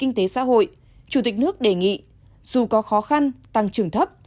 kinh tế xã hội chủ tịch nước đề nghị dù có khó khăn tăng trưởng thấp